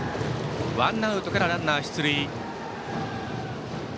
ワンアウトからランナー出塁。